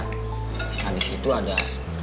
nah di situ ada